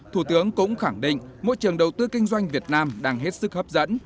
thủ tướng cũng khẳng định môi trường đầu tư kinh doanh việt nam đang hết sức hấp dẫn